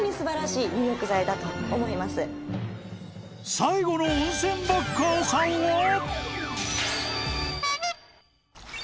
［最後の温泉バッカーさんは］